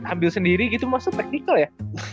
ambil sendiri gitu maksudnya teknikal ya